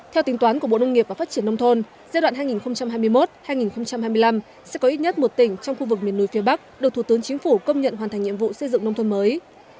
theo tính toán của bộ nông nghiệp và phát triển nông thôn giai đoạn hai nghìn hai mươi một hai nghìn hai mươi năm sẽ có ít nhất một tỉnh trong khu vực miền núi phía bắc được thủ tướng chính phủ công nhận hoàn thành nhiệm vụ xây dựng nông thôn mới